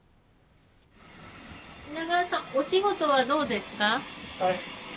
品川さんお仕事はどうですか？